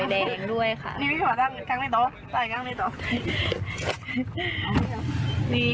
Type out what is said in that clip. ขึ้นมามี